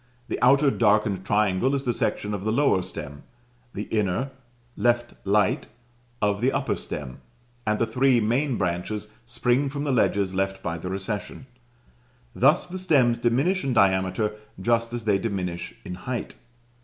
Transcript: The outer darkened triangle is the section of the lower stem; the inner, left light, of the upper stem; and the three main branches spring from the ledges left by the recession. Thus the stems diminish in diameter just as they diminish in height.